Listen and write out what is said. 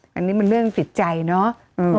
อย่างนี้มันเรื่องสิทธิ์ใจเนอะ